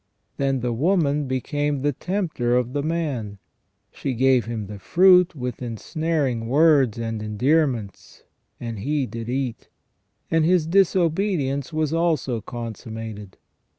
Then the woman became the tempter of the man. She gave him the fruit with ensnaring words and endearments, and he did eat, and his disobedience was also consummated.